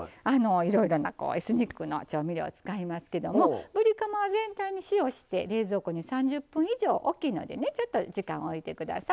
いろいろなエスニックの調味料を使いますけどもぶりカマは全体に塩をして冷蔵庫に３０分以上ちょっと時間を置いてください。